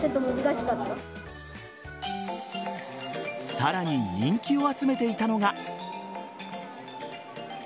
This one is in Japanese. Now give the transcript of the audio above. さらに人気を集めていたのが。